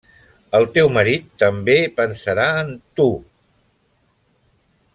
El teu marit també pensarà en tu!